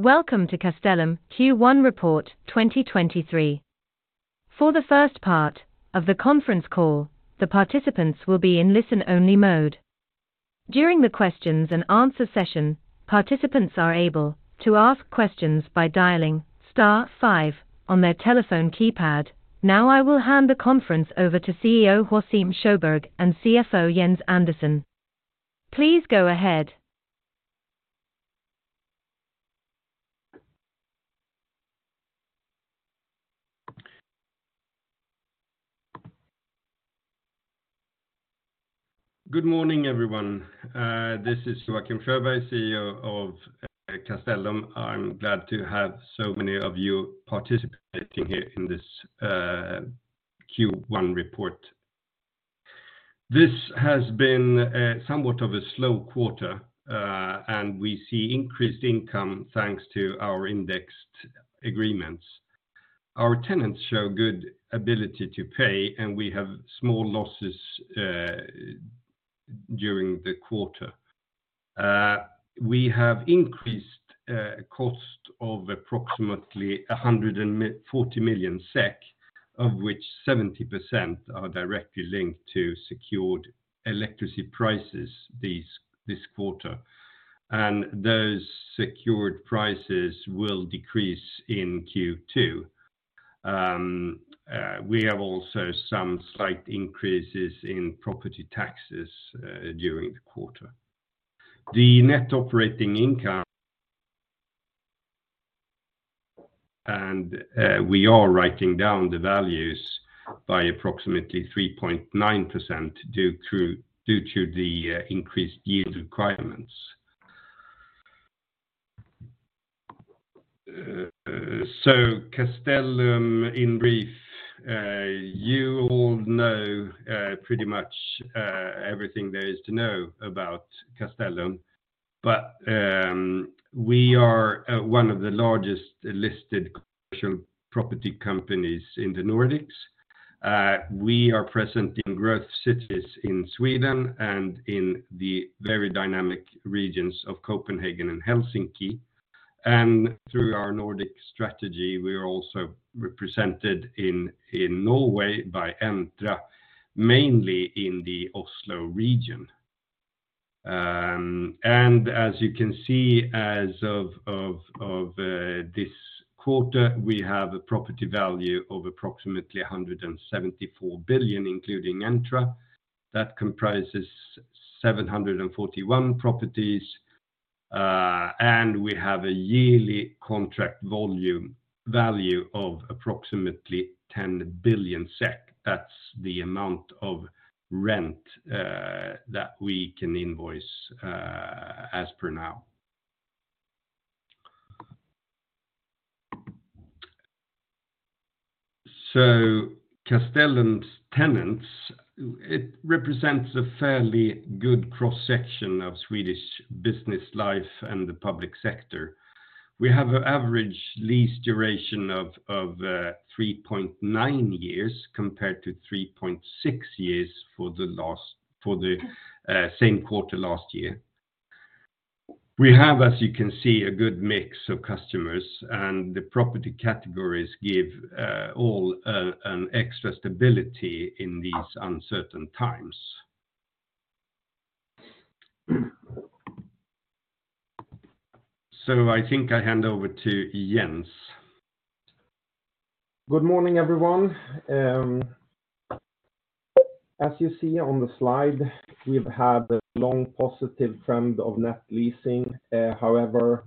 Welcome to Castellum Q1 Report 2023. For the first part of the Conference Call, the participants will be in listen-only mode. During the questions and answer session, participants are able to ask questions by dialing star five on their telephone keypad. I will hand the conference over to CEO Joacim Sjöberg and CFO Jens Andersson. Please go ahead. Good morning, everyone. This is Joacim Sjöberg, CEO of Castellum. I'm glad to have so many of you participating here in this Q1 report. This has been somewhat of a slow quarter, and we see increased income thanks to our indexed agreements. Our tenants show good ability to pay, and we have small losses during the quarter. We have increased cost of approximately 140 million SEK, of which 70% are directly linked to secured electricity prices this quarter, and those secured prices will decrease in Q2. We have also some slight increases in property taxes during the quarter. The net operating income... We are writing down the values by approximately 3.9% due to the increased yield requirements. Castellum in brief. You all know pretty much everything there is to know about Castellum, but we are one of the largest listed commercial property companies in the Nordics. We are present in growth cities in Sweden and in the very dynamic regions of Copenhagen and Helsinki. Through our Nordic strategy, we are also represented in Norway by Entra, mainly in the Oslo region. As you can see as of this quarter, we have a property value of approximately 174 billion, including Entra. That comprises 741 properties. We have a yearly contract volume value of approximately 10 billion SEK. That's the amount of rent that we can invoice as per now. Castellum's tenants, it represents a fairly good cross-section of Swedish business life and the public sector. We have an average lease duration of 3.9 years compared to 3.6 years for the same quarter last year. We have, as you can see, a good mix of customers, and the property categories give all an extra stability in these uncertain times. I think I hand over to Jens. Good morning, everyone. As you see on the slide, we've had a long positive trend of net leasing. However,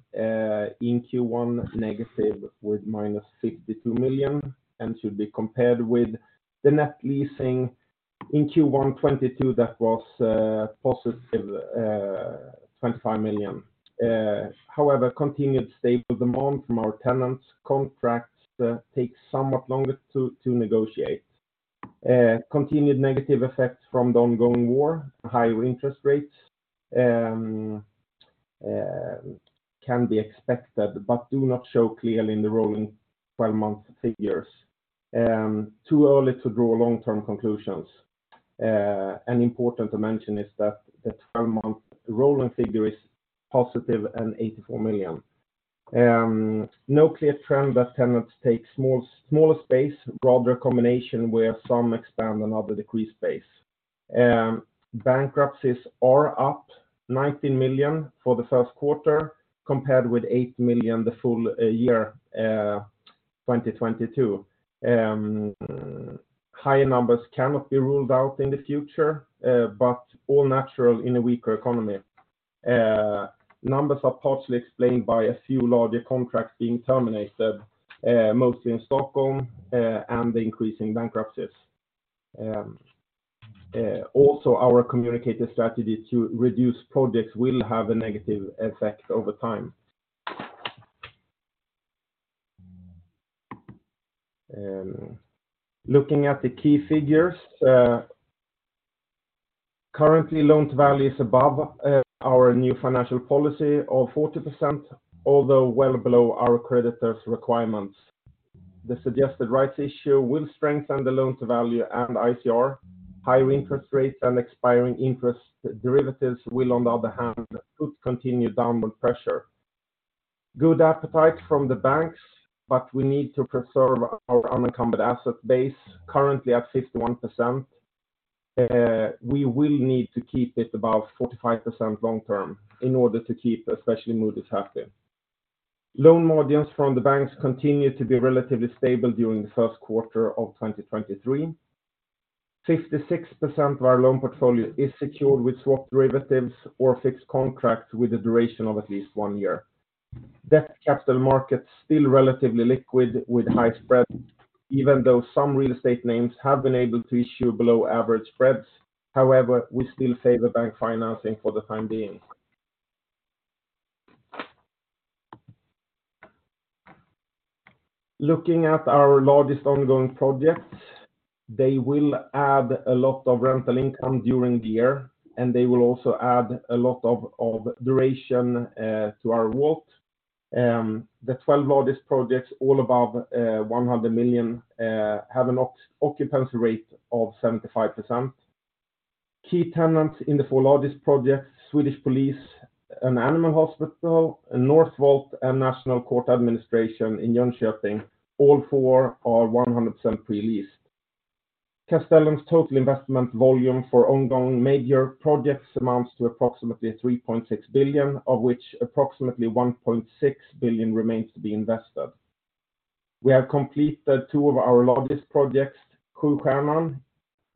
in Q1, negative with minus 62 million and should be compared with the net leasing in Q1 2022 that was positive 25 million. However, continued stable demand from our tenants contracts takes somewhat longer to negotiate. Continued negative effects from the ongoing war, higher interest rates can be expected, but do not show clearly in the rolling 12-month figures. Too early to draw long-term conclusions. Important to mention is that the 12-month rolling figure is positive 84 million. No clear trend that tenants take smaller space. Broad recommendation where some expand and other decrease space. Bankruptcies are up 19 million for the first quarter, compared with 8 million the full year 2022. Higher numbers cannot be ruled out in the future, but all natural in a weaker economy. Numbers are partially explained by a few larger contracts being terminated, mostly in Stockholm, and the increase in bankruptcies. Also our communicated strategy to reduce projects will have a negative effect over time. Looking at the key figures. Currently loan to value is above our new financial policy of 40%, although well below our creditors' requirements. The suggested rights issue will strengthen the loans value and ICR. Higher interest rates and expiring interest derivatives will, on the other hand, put continued downward pressure. Good appetite from the banks, but we need to preserve our unencumbered asset base currently at 51%. We will need to keep it above 45% long-term in order to keep especially Moody's happy. Loan margins from the banks continue to be relatively stable during the first quarter of 2023. 56% of our loan portfolio is secured with swap derivatives or fixed contracts with a duration of at least one year. Debt capital markets still relatively liquid with high spreads, even though some real estate names have been able to issue below average spreads. We still favor bank financing for the time being. Looking at our largest ongoing projects, they will add a lot of rental income during the year, and they will also add a lot of duration to our vault. The 12 largest projects, all above 100 million, have an occupancy rate of 75%. Key tenants in the four largest projects, Swedish Police, an animal hospital, Northvolt, and National Courts Administration in Jönköping. All four are 100% pre-leased. Castellum's total investment volume for ongoing major projects amounts to approximately 3.6 billion, of which approximately 1.6 billion remains to be invested. We have completed two of our largest projects, Sjustjärnan,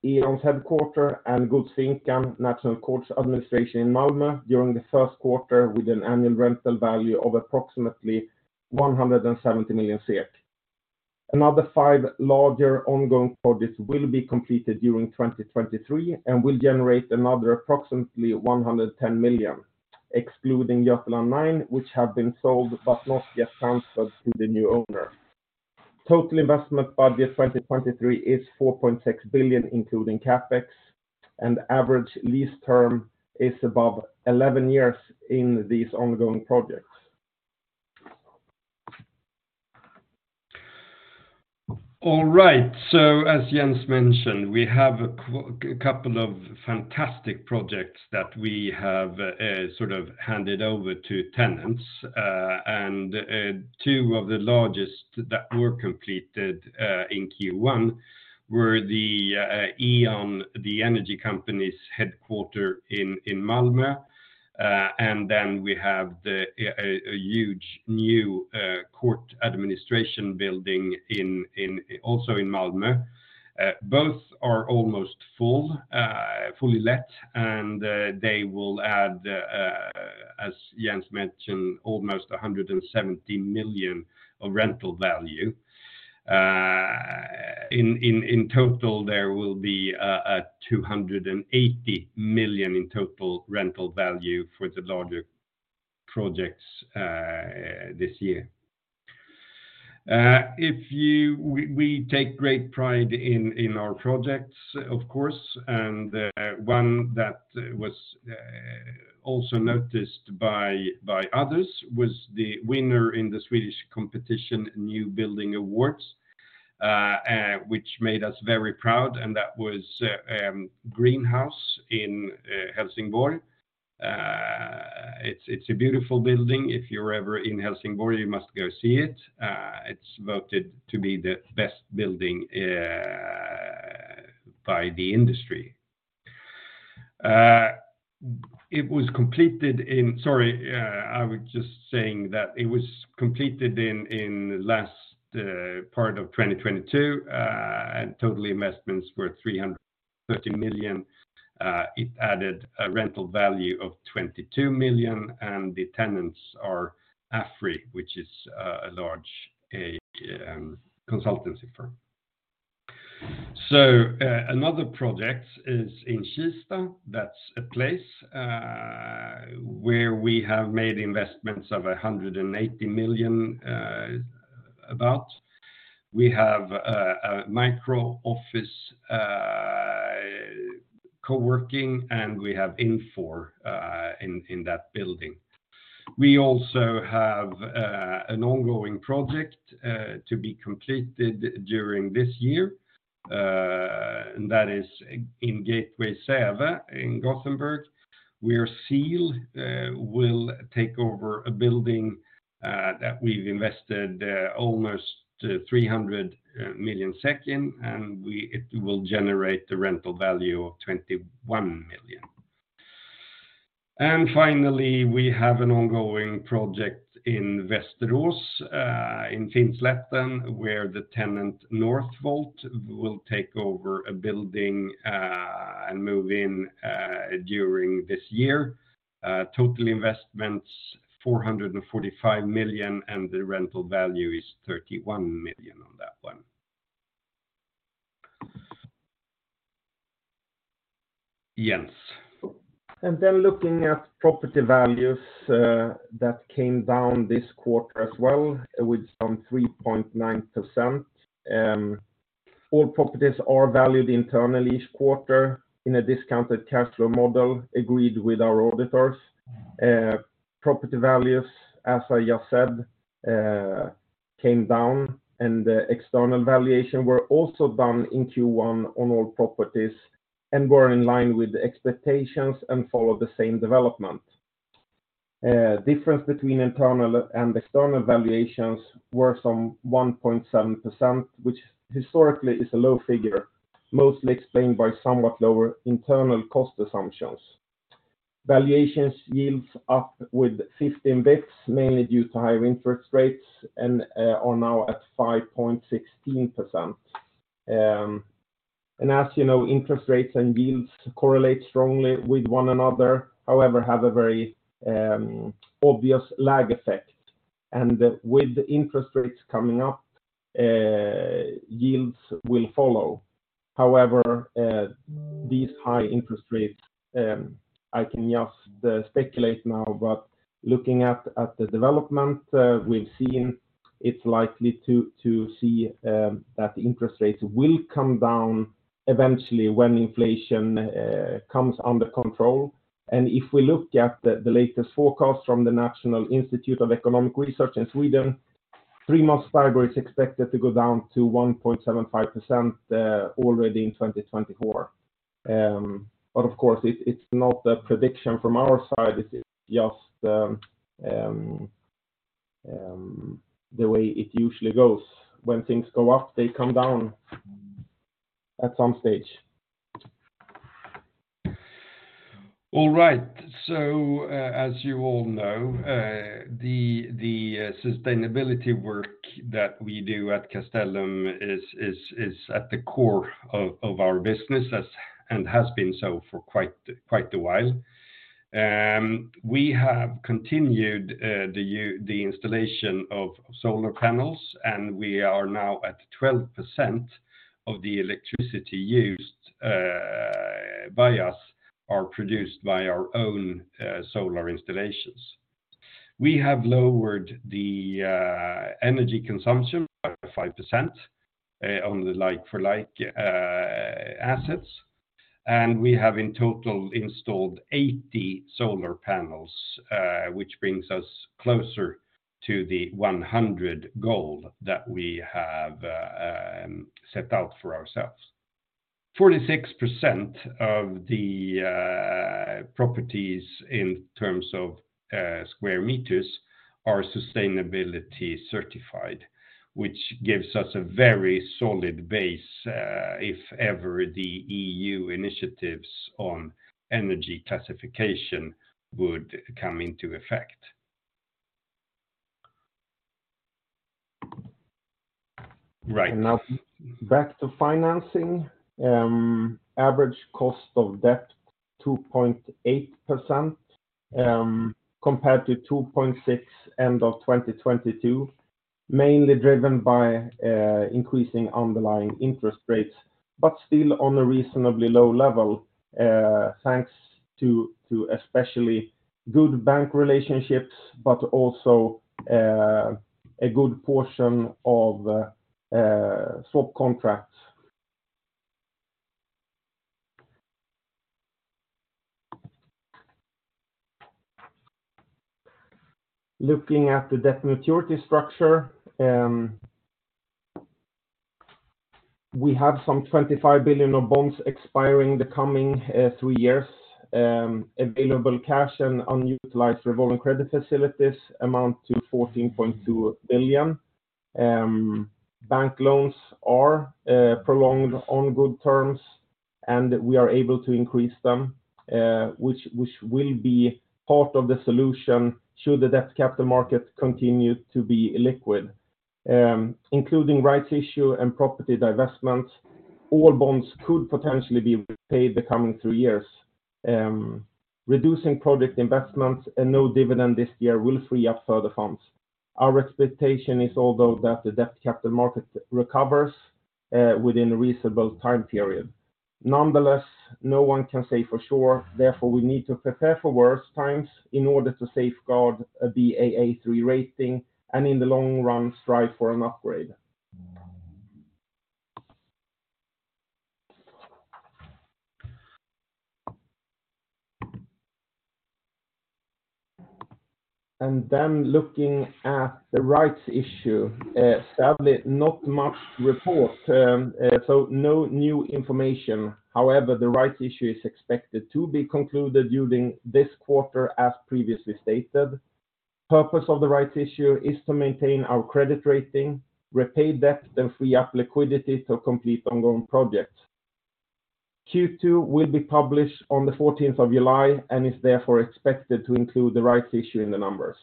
E.ON's headquarter, and Godsfinkan 1, National Courts Administration in Malmö, during the 1st quarter, with an annual rental value of approximately 170 million SEK. Another five larger ongoing projects will be completed during 2023 and will generate another approximately 110 million, excluding Götaland 9, which have been sold but not yet transferred to the new owner. Total investment budget 2023 is 4.6 billion, including CapEx, and average lease term is above 11 years in these ongoing projects. All right, as Jens mentioned, we have a couple of fantastic projects that we have, sort of handed over to tenants. Two of the largest that were completed in Q1 were the E.ON, the energy company's headquarter in Malmö. We have a huge new court administration building also in Malmö. Both are almost full, fully let, and they will add, as Jens mentioned, almost 170 million of rental value. In total, there will be 280 million in total rental value for the larger projects this year. We take great pride in our projects, of course, and one that was also noticed by others was the winner in the Swedish competition New Building Awards, which made us very proud, and that was Greenhouse in Helsingborg. It's a beautiful building. If you're ever in Helsingborg, you must go see it. It's voted to be the best building by the industry. It was completed in last part of 2022. Total investments were 330 million. It added a rental value of 22 million, the tenants are AFRY, which is a large consultancy firm. Another project is in Kista. That's a place where we have made investments of 180 million about. We have a micro office, co-working, and we have Infor in that building. We also have an ongoing project to be completed during this year, and that is in Gateway Säve in Gothenburg, where SEEL will take over a building that we've invested almost 300 million SEK in, it will generate the rental value of 21 million. Finally, we have an ongoing project in Västerås, in Finnslätten, where the tenant Northvolt will take over a building and move in during this year. Total investments, 445 million, and the rental value is 31 million on that one. Jens. Looking at property values, that came down this quarter as well with some 3.9%. All properties are valued internally each quarter in a discounted cash flow model agreed with our auditors. Property values, as I just said, came down and the external valuation were also down in Q1 on all properties and were in line with the expectations and followed the same development. Difference between internal and external valuations were some 1.7%, which historically is a low figure, mostly explained by somewhat lower internal cost assumptions. Valuations yields up with 15 basis points, mainly due to higher interest rates and are now at 5.16%. As you know, interest rates and yields correlate strongly with one another, however, have a very obvious lag effect. With interest rates coming up, yields will follow. However, these high interest rates, I can just speculate now, but looking at the development, we've seen it's likely to see that interest rates will come down eventually when inflation comes under control. If we look at the latest forecast from the National Institute of Economic Research in Sweden, three-month STIBOR is expected to go down to 1.75% already in 2024. Of course it's not a prediction from our side. It's just the way it usually goes. When things go up, they come down at some stage. All right. As you all know, the sustainability work that we do at Castellum is at the core of our business and has been so for quite a while. We have continued the installation of solar panels, and we are now at 12% of the electricity used by us are produced by our own solar installations. We have lowered the energy consumption by 5% on the like for like assets. We have in total installed 80 solar panels, which brings us closer to the 100 goal that we have set out for ourselves. 46% of the properties in terms of square meters are sustainability certified, which gives us a very solid base, if ever the EU initiatives on energy classification would come into effect. Right. Now back to financing. Average cost of debt, 2.8%, compared to 2.6% end of 2022, mainly driven by increasing underlying interest rates, but still on a reasonably low level thanks to especially good bank relationships, but also a good portion of swap contracts. Looking at the debt maturity structure, we have some 25 billion of bonds expiring the coming three years. Available cash and unutilized revolving credit facilities amount to 14.2 billion. Bank loans are prolonged on good terms, and we are able to increase them, which will be part of the solution should the debt capital market continue to be illiquid. Including rights issue and property divestment, all bonds could potentially be paid the coming three years. Reducing project investments and no dividend this year will free up further funds. Our expectation is although that the debt capital market recovers within a reasonable time period. No one can say for sure. We need to prepare for worse times in order to safeguard a Baa3 rating and in the long run strive for an upgrade. Looking at the rights issue, sadly not much to report, no new information. However, the rights issue is expected to be concluded during this quarter as previously stated. Purpose of the rights issue is to maintain our credit rating, repay debt, and free up liquidity to complete ongoing projects. Q2 will be published on the fourteenth of July and is therefore expected to include the rights issue in the numbers.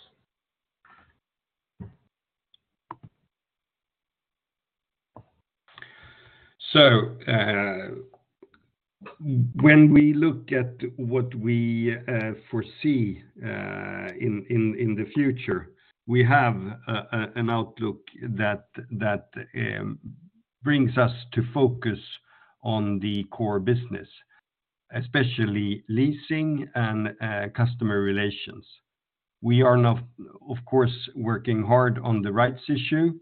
When we look at what we foresee in the future, we have an outlook that brings us to focus on the core business. Especially leasing and customer relations. We are now, of course, working hard on the rights issue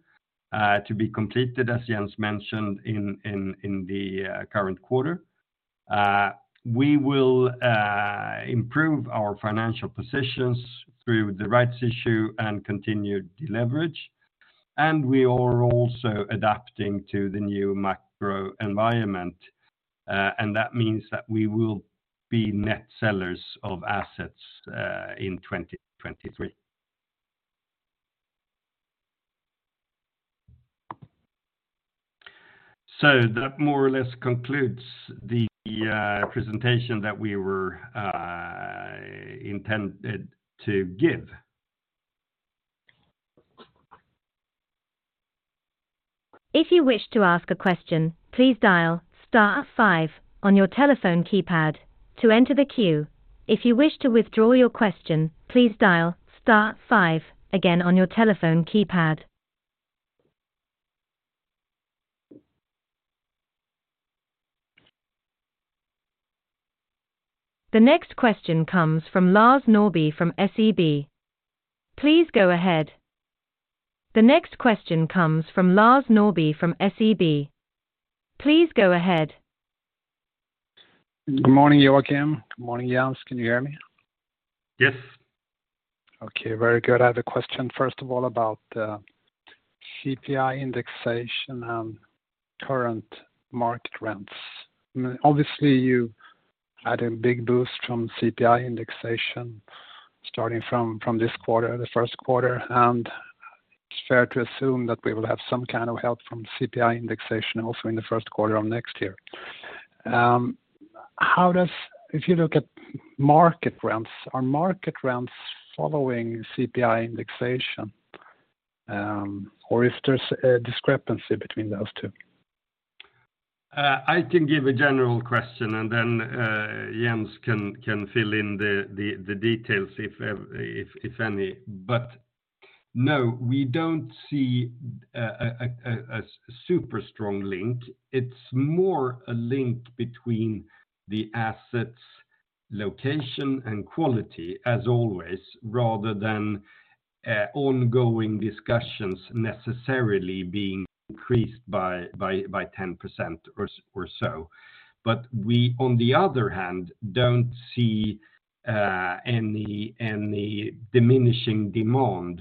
to be completed, as Jens mentioned in the current quarter. We will improve our financial positions through the rights issue and continue deleverage. We are also adapting to the new macro environment. That means that we will be net sellers of assets in 2023. That more or less concludes the presentation that we were intended to give. If you wish to ask a question, please dial star five on your telephone keypad to enter the queue. If you wish to withdraw your question, please dial star five again on your telephone keypad. The next question comes from Lars Norrby from SEB. Please go ahead. Good morning, Joacim. Good morning, Jens. Can you hear me? Yes. Okay, very good. I have a question first of all about CPI indexation and current market rents. Obviously, you had a big boost from CPI indexation starting from this quarter, the first quarter. It's fair to assume that we will have some kind of help from CPI indexation also in the first quarter of next year. If you look at market rents, are market rents following CPI indexation, or if there's a discrepancy between those two? I can give a general question, and then Jens can fill in the details if any. No, we don't see a super strong link. It's more a link between the assets, location and quality as always, rather than ongoing discussions necessarily being increased by 10% or so. We on the other hand, don't see any diminishing demand,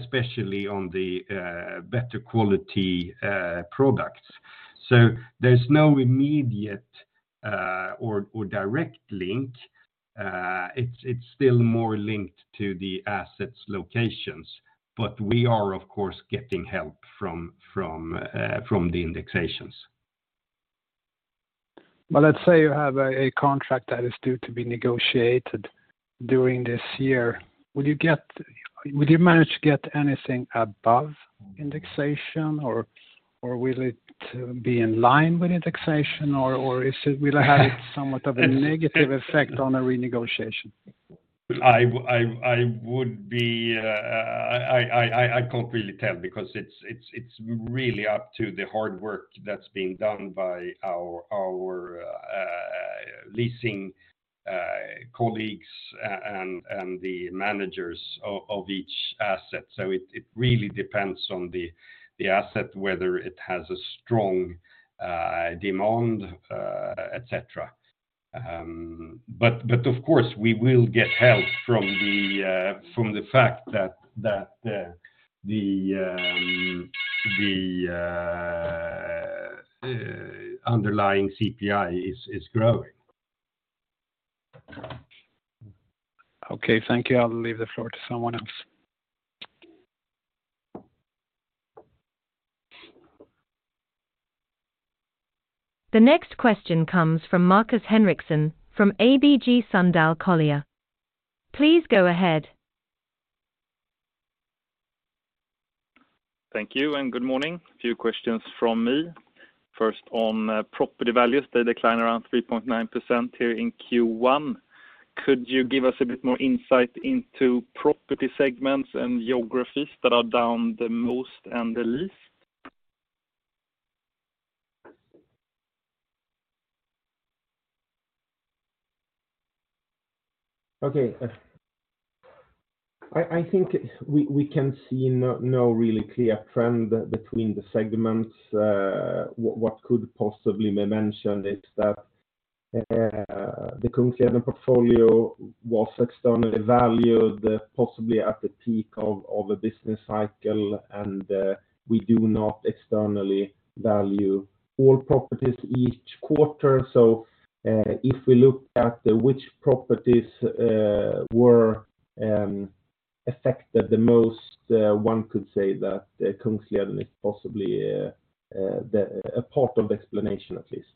especially on the better quality products. There's no immediate or direct link. It's still more linked to the assets locations, but we are of course, getting help from the indexations. Let's say you have a contract that is due to be negotiated during this year. Will you manage to get anything above indexation or will it be in line with indexation or is it will have somewhat of a negative effect on a renegotiation? I would be. I can't really tell because it's really up to the hard work that's being done by our leasing colleagues and the managers of each asset. It really depends on the asset, whether it has a strong demand, et cetera. Of course we will get help from the fact that the underlying CPI is growing. Okay, thank you. I'll leave the floor to someone else. The next question comes from Markus Henriksson from ABG Sundal Collier. Please go ahead. Thank you. Good morning. Few questions from me. First, on property values, they decline around 3.9% here in Q1. Could you give us a bit more insight into property segments and geographies that are down the most and the least? Okay. I think we can see no really clear trend between the segments. What could possibly be mentioned is that the Kungsleden portfolio was externally valued possibly at the peak of a business cycle, and we do not externally value all properties each quarter. If we look at which properties were affected the most, one could say that the Kungsleden is possibly a part of explanation, at least.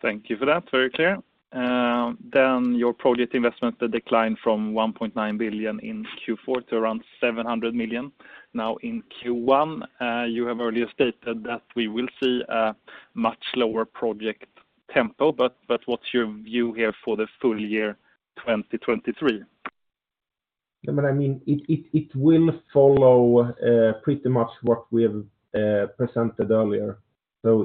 Thank you for that. Very clear. Your project investment declined from 1.9 billion in Q4 to around 700 million. Now in Q1, you have earlier stated that we will see a much lower project tempo, but what's your view here for the full year 2023? I mean, it will follow pretty much what we have presented earlier.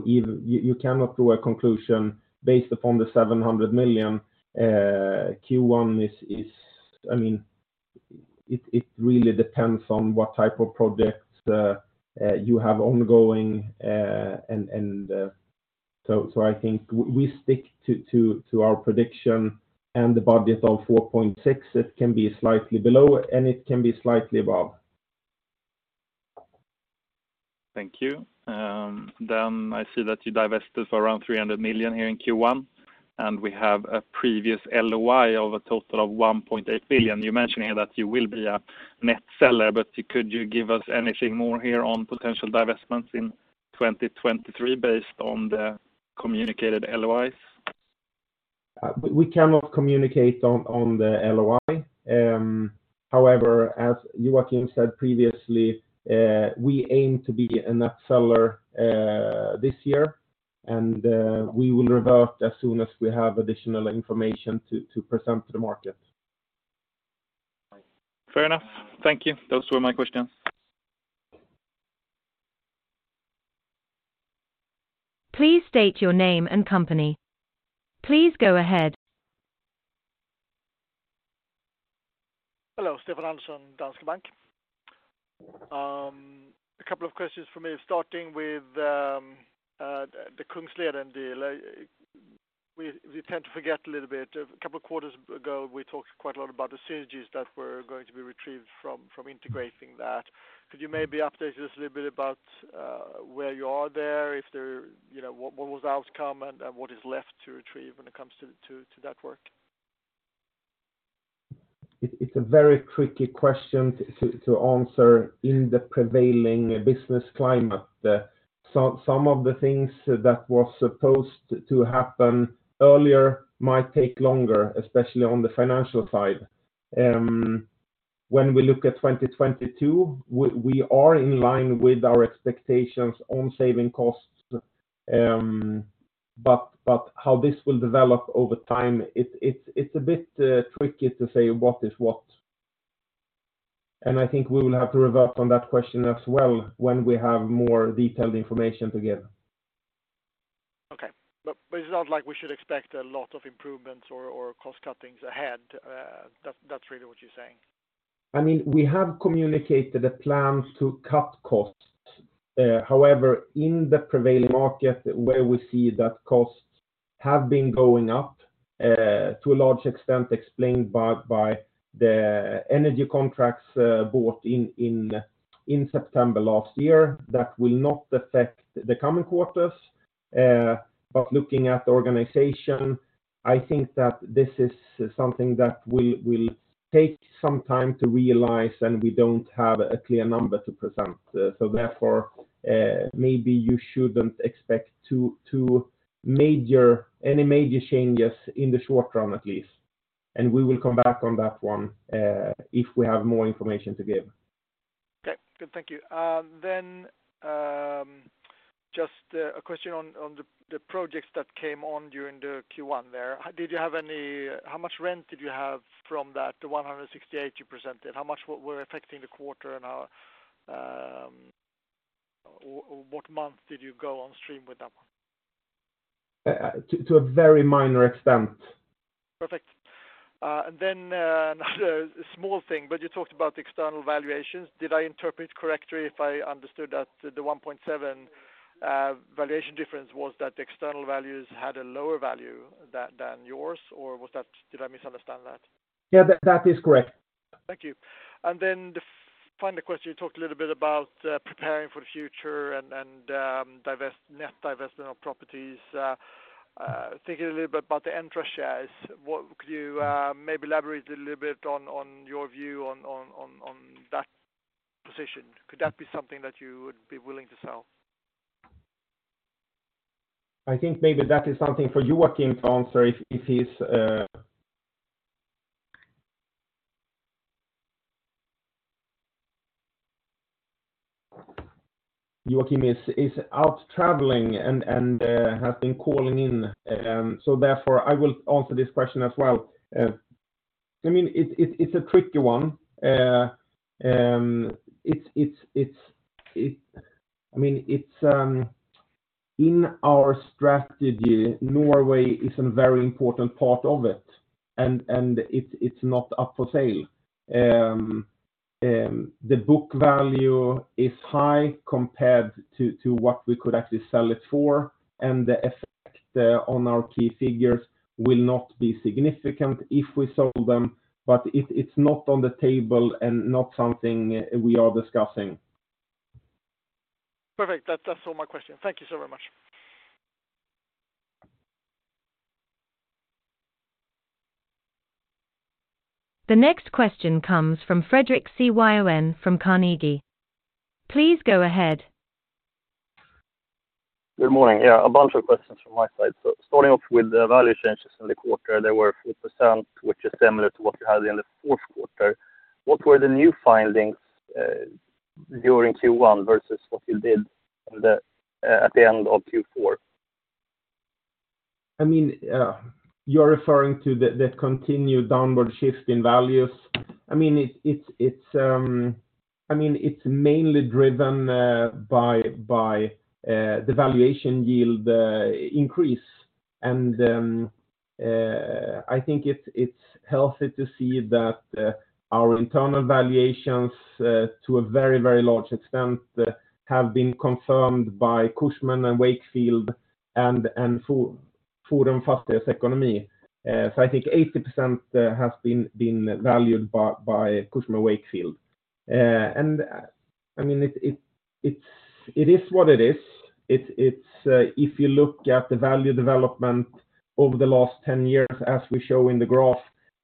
You cannot do a conclusion based upon the 700 million. Q1 is, I mean, it really depends on what type of projects you have ongoing. I think we stick to our prediction and the budget of 4.6, it can be slightly below, and it can be slightly above. Thank you. I see that you divested for around 300 million here in Q1, and we have a previous LOI of a total of 1.8 billion. You mentioned here that you will be a net seller, but could you give us anything more here on potential divestments in 2023 based on the communicated LOIs? We cannot communicate on the LOI. However, as Joacim said previously, we aim to be a net seller this year, and we will revert as soon as we have additional information to present to the market. Fair enough. Thank you. Those were my questions. Please state your name and company. Please go ahead. Hello, Stefan Andersson, Danske Bank. A couple of questions for me, starting with the Kungsleden deal. We tend to forget a little bit. A couple of quarters ago, we talked quite a lot about the synergies that were going to be retrieved from integrating that. Could you maybe update us a little bit about where you are there, if there, you know, what was the outcome and what is left to retrieve when it comes to that work? It's a very tricky question to answer in the prevailing business climate. Some of the things that was supposed to happen earlier might take longer, especially on the financial side. When we look at 2022, we are in line with our expectations on saving costs. But how this will develop over time, it's a bit tricky to say what is what. I think we will have to revert on that question as well when we have more detailed information to give. Okay. It's not like we should expect a lot of improvements or cost cuttings ahead. That's really what you're saying. I mean, we have communicated the plans to cut costs. However, in the prevailing market where we see that costs have been going up, to a large extent explained by the energy contracts bought in September last year, that will not affect the coming quarters. Looking at the organization, I think that this is something that will take some time to realize, and we don't have a clear number to present. Therefore, maybe you shouldn't expect any major changes in the short run at least. We will come back on that one, if we have more information to give. Okay. Good. Thank you. Just a question on the projects that came on during the Q1 there. How much rent did you have from that, the 168 you presented? How much were affecting the quarter and, or what month did you go on stream with that one? To a very minor extent. Perfect. Another small thing, but you talked about external valuations. Did I interpret correctly if I understood that the 1.7 valuation difference was that the external values had a lower value than yours? Did I misunderstand that? Yeah, that is correct. Thank you. The final question, you talked a little bit about, preparing for the future and, net divesting of properties. Thinking a little bit about the Entra shares, what could you, maybe elaborate a little bit on your view on that position? Could that be something that you would be willing to sell? I think maybe that is something for Joacim to answer if he's... Joacim is out traveling and has been calling in. Therefore, I will answer this question as well. I mean, it's a tricky one. I mean, it's in our strategy, Norway is a very important part of it, and it's not up for sale. The book value is high compared to what we could actually sell it for, and the effect on our key figures will not be significant if we sold them, but it's not on the table and not something we are discussing. Perfect. That's all my questions. Thank you so very much. The next question comes from Fredric Cyon from Carnegie. Please go ahead. Good morning. Yeah, a bunch of questions from my side. Starting off with the value changes in the quarter, there were 4%, which is similar to what you had in the fourth quarter. What were the new findings during Q1 versus what you did on the at the end of Q4? I mean, you're referring to the continued downward shift in values. I mean, it's, I mean, it's mainly driven by the valuation yield increase. I think it's healthy to see that our internal valuations to a very large extent have been confirmed by Cushman & Wakefield and Forum Fastighetsekonomi. I think 80% has been valued by Cushman & Wakefield. I mean, it's, it is what it is. It's if you look at the value development over the last 10 years, as we show in the graph,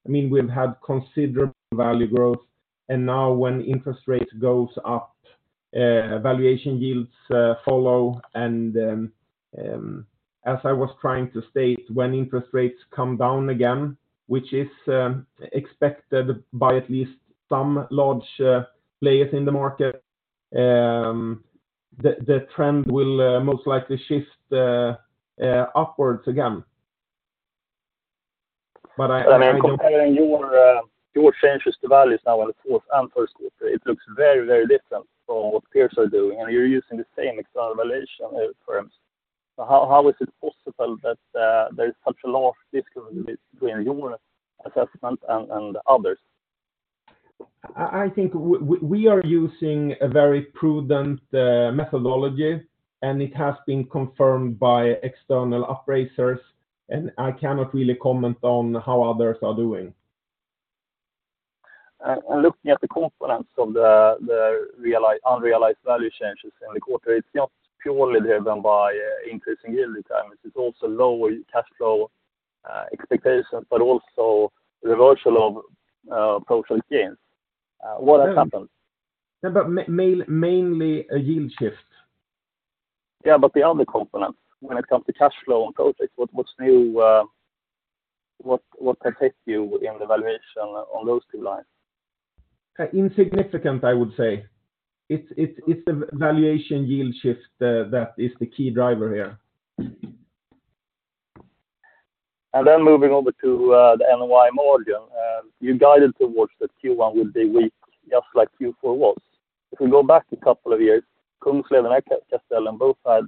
I mean, we've had considerable value growth. Now when interest rates goes up, valuation yields follow. As I was trying to state, when interest rates come down again, which is expected by at least some large players in the market, the trend will most likely shift upwards again. I mean, comparing your changes to values now in the fourth and first quarter, it looks very, very different from what peers are doing, and you're using the same external valuation firms. How is it possible that there is such a large discrepancy between your assessment and others? I think we are using a very prudent methodology, and it has been confirmed by external appraisers, and I cannot really comment on how others are doing. Looking at the components of the realized, unrealized value changes in the quarter, it's not purely driven by increasing yield returns. It's also lower cash flow expectations, but also reversal of project gains. What has happened? Yeah, mainly a yield shift. The other components when it comes to cash flow and COGS, what's new, what affects you in the valuation on those two lines? Insignificant, I would say. It's the valuation yield shift that is the key driver here. Then moving over to the NOI margin, you guided towards that Q1 will be weak just like Q4 was. If we go back a couple of years, Kungsleden and I think we are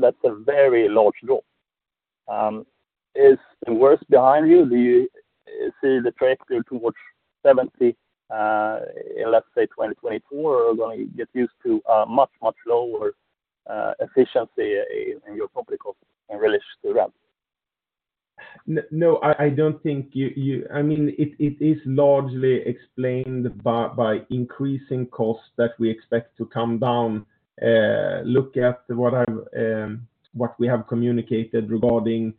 using a very prudent methodology, and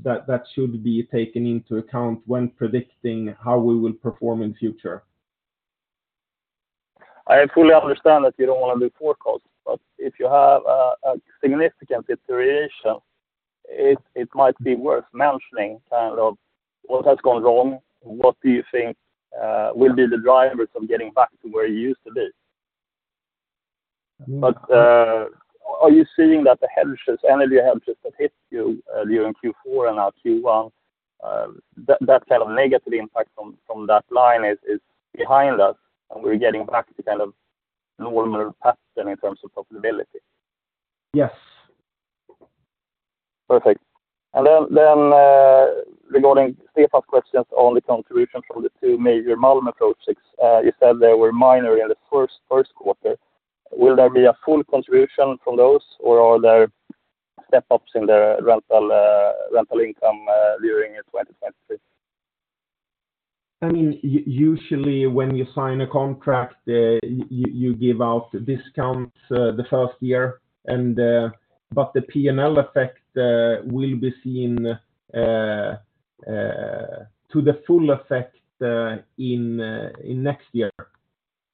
it has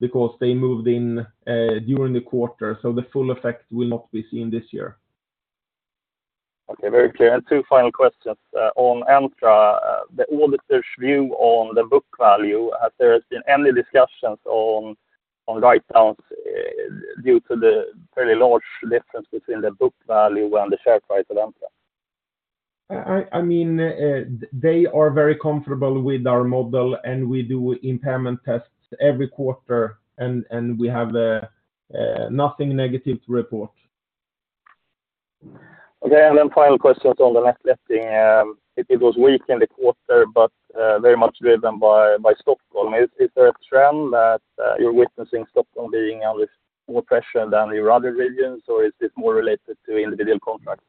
been confirmed by external appraisers, and we have nothing negative to report. Okay. Then final question on the net letting. It was weak in the quarter, but very much driven by Stockholm. Is there a trend that you're witnessing Stockholm being under more pressure than your other regions, or is this more related to individual contracts?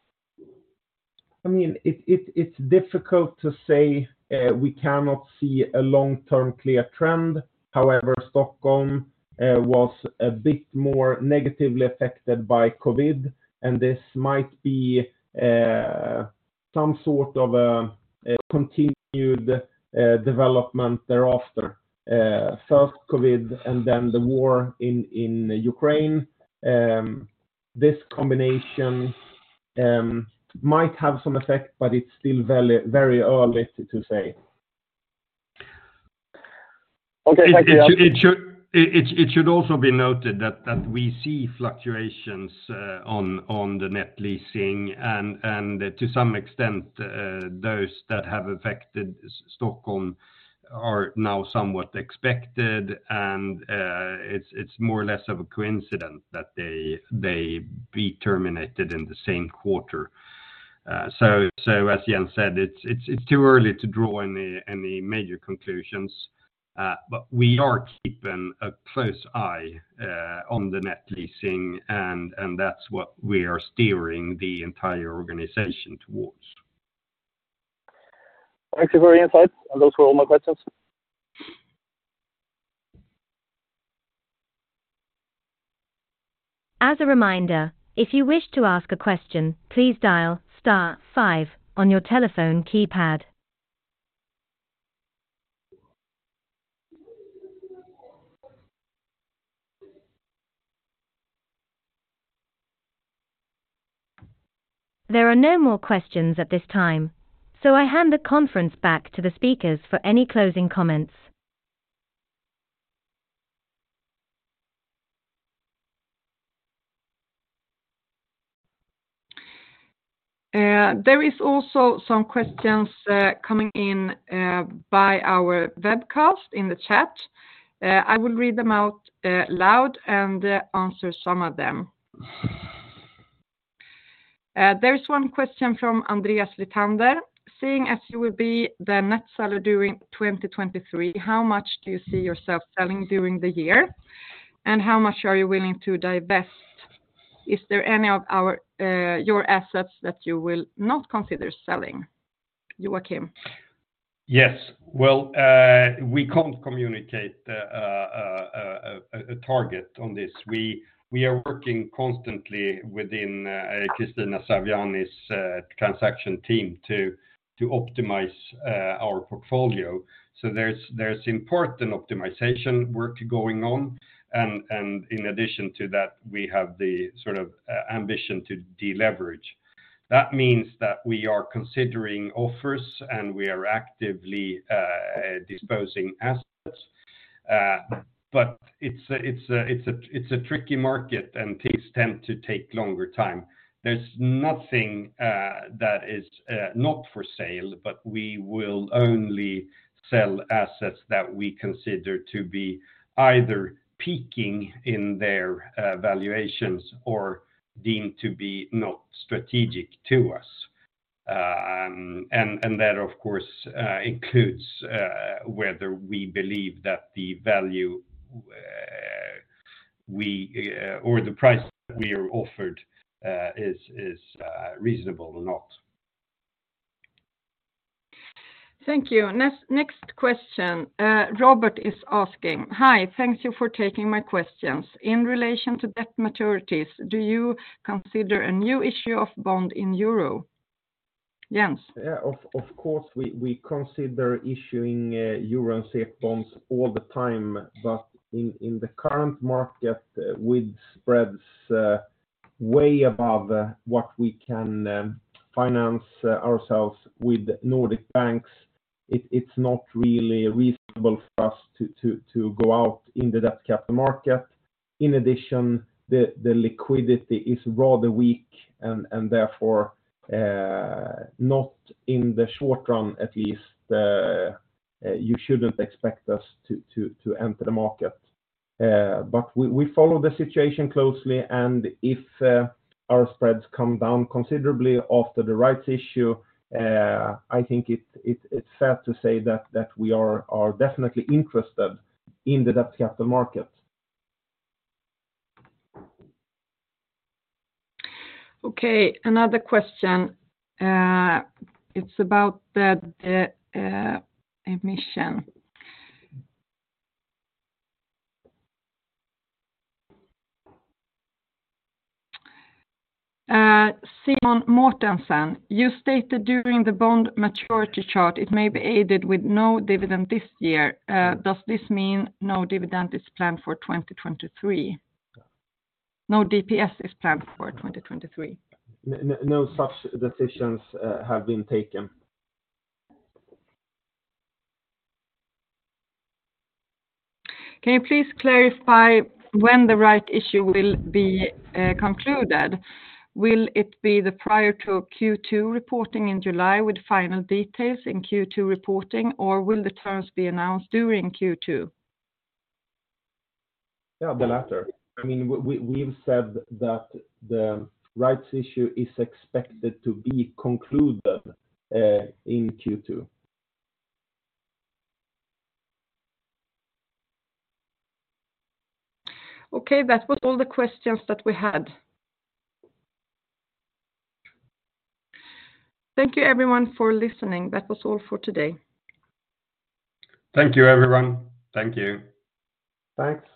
I mean, it's difficult to say, we cannot see a long-term clear trend. However, Stockholm was a bit more negatively affected by COVID, and this might be some sort of a continued development thereafter. First COVID and then the war in Ukraine. This combination might have some effect, but it's still very, very early to say. Okay. Thank you. It should also be noted that we see fluctuations on the net leasing and to some extent those that have affected Stockholm are now somewhat expected. It's more or less of a coincidence that they be terminated in the same quarter. As Jens said, it's too early to draw any major conclusions. We are keeping a close eye on the net leasing and that's what we are steering the entire organization towards. Thanks for your insights, and those were all my questions. As a reminder, if you wish to ask a question, please dial star five on your telephone keypad. There are no more questions at this time, I hand the conference back to the speakers for any closing comments. There is also some questions coming in by our webcast in the chat. I will read them out loud and answer some of them. There is one question from Andreas Ritander. Seeing as you will be the net seller during 2023, how much do you see yourself selling during the year, and how much are you willing to divest? Is there any of your assets that you will not consider selling, Joacim? Yes. Well, we can't communicate a target on this. We are working constantly within Kristina Sawjani's transaction team to optimize our portfolio. There's important optimization work going on. In addition to that, we have the sort of ambition to deleverage. That means that we are considering offers, and we are actively disposing assets. It's a tricky market, and things tend to take longer time. There's nothing that is not for sale, but we will only sell assets that we consider to be either peaking in their valuations or deemed to be not strategic to us. That of course, includes, whether we believe that the value, we, or the price that we are offered, is reasonable or not. Thank you. Next question, Robert is asking. Hi. Thank you for taking my questions. In relation to debt maturities, do you consider a new issue of bond in euro? Jens. Yeah. Of course, we consider issuing euro and safe bonds all the time, but in the current market with spreads way above what we can finance ourselves with Nordic banks, it's not really reasonable for us to go out in the debt capital market. In addition, the liquidity is rather weak and therefore, not in the short run at least, you shouldn't expect us to enter the market. We follow the situation closely, and if our spreads come down considerably after the rights issue, I think it's fair to say that we are definitely interested in the debt capital market. Okay. Another question, it's about the emission. Simon Mortensen, you stated during the bond maturity chart it may be aided with no dividend this year. Does this mean no dividend is planned for 2023? No DPS is planned for 2023. No such decisions have been taken. Can you please clarify when the rights issue will be concluded? Will it be the prior to Q2 reporting in July with final details in Q2 reporting, or will the terms be announced during Q2? Yeah, the latter. I mean, we've said that the rights issue is expected to be concluded in Q2. Okay. That was all the questions that we had. Thank you everyone for listening. That was all for today. Thank you everyone. Thank you. Thanks.